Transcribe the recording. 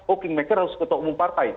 oh kingmaker harus ketua umum partai